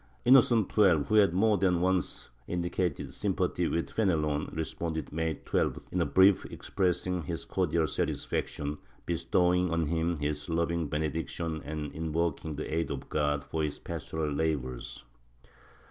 Innocent XII, who had more than once indicated sym pathy with Fenelon, responded May 12th, in a brief expressing his cordial satisfaction, bestowing on him his loving benediction and invoking the aid of God for his pastoral labors.